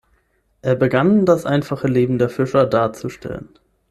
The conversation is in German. Er begann das einfache Leben der Fischer darzustellen.